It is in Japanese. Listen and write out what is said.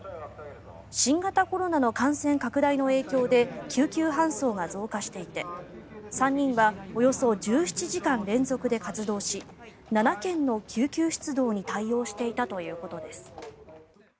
新型コロナの感染拡大の影響で救急搬送が増加していて３人はおよそ１７時間連続で活動し７件の救急出動に対応していたということです。